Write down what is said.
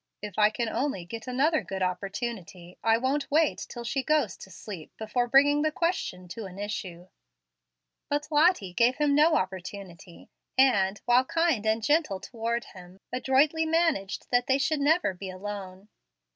If I can only get another good opportunity, I won't wait till she goes to sleep before bringing the question to an issue." But Lottie gave him no opportunity, and, while kind and gentle toward him, adroitly managed that they should never be alone.